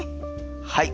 はい。